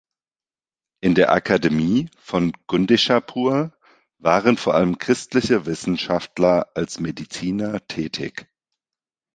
In der Akademie von Gundischapur waren vor allem christliche Wissenschaftler als Mediziner tätig.